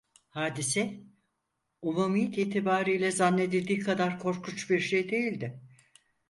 Hadise, umumiyet itibariyle, zannedildiği kadar korkunç bir şey değildi.